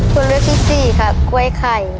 ตัวเลือกที่สี่ค่ะกล้วยไข่